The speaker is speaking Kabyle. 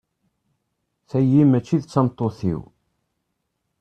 Taki mačči d tameṭṭut-iw.